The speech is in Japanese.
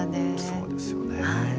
そうですよね。